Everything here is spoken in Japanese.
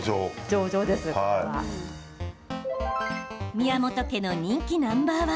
宮本家の人気ナンバー１